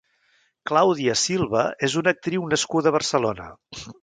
Claudia Silva és una actriu nascuda a Barcelona.